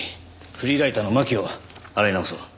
フリーライターの巻を洗い直そう。